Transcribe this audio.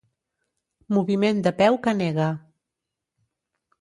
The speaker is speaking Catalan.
Moviment de peu que nega.